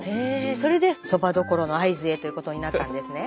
それでそばどころの会津へということになったんですね。